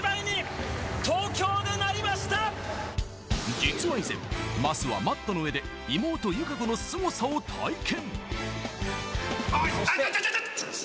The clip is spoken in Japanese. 実は以前、桝はマットの上で妹・友香子のすごさを体験。